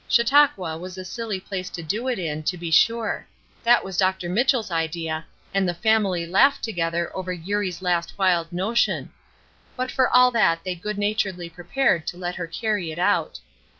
Chautauqua was a silly place to do it in, to be sure; that was Dr. Mitchell's idea, and the family laughed together over Eurie's last wild notion; but for all that they good naturedly prepared to let her carry it out.